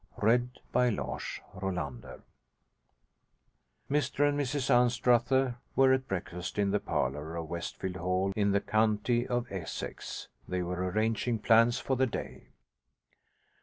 W.S., 24 July, 1865.' THE ROSE GARDEN Mr and Mrs Anstruther were at breakfast in the parlour of Westfield Hall, in the county of Essex. They were arranging plans for the day.